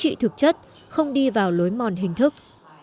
trị thực chất không đi vào lối mòn hình thức